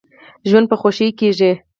ژوند په خوښۍ کیږي.